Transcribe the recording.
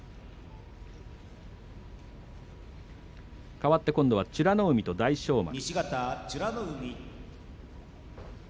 かわって今度は美ノ海と大翔丸。